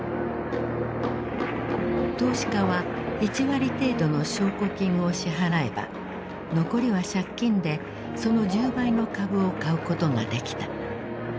投資家は１割程度の証拠金を支払えば残りは借金でその１０倍の株を買うことができた。